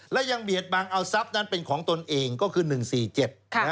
และยังเบียดบังเอาทรัพย์นั้นเป็นของตนเองก็คือ๑๔๗